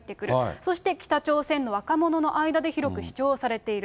そして、北朝鮮の若者の間で広く視聴されている。